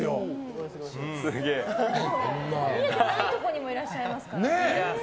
見えてないところにもいらっしゃいますからね。